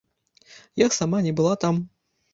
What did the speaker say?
Я сама не была там.